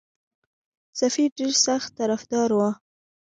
سفیر ډېر سخت طرفدار وو.